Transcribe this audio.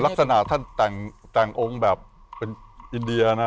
ลักษณะท่านแต่งองค์แบบเป็นอินเดียนะ